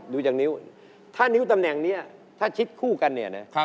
ดูจากนิ้วถ้านิ้วตำแหน่งนี้ถ้าชิดคู่กันเนี่ยนะ